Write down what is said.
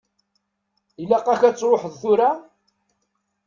Ilaq-ak ad truḥeḍ tura?